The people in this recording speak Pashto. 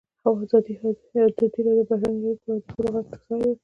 ازادي راډیو د بهرنۍ اړیکې په اړه د ښځو غږ ته ځای ورکړی.